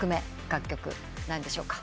楽曲何でしょうか？